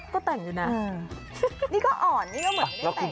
นี่ก็อ่อนนี่ก็เหมือนกัน